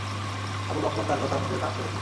Abu Bakr তার কথা অনুযায়ী কাজ করেছে।